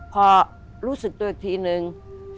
พอรู้สึกตัวอีกทีนึง